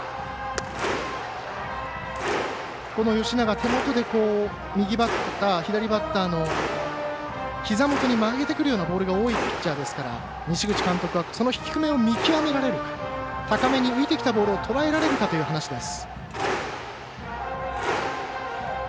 吉永、手元で左バッターのひざ元に曲げてくるようなボールが多いピッチャーですから西口監督はその低めを見極められるか高めに浮いてきたボールをとらえられるかという話です。